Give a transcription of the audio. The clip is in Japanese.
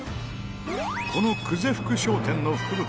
この久世福商店の福袋